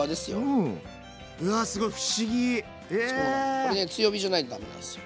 これね強火じゃないとダメなんですよ。